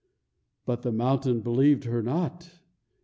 But the mountain believed her not.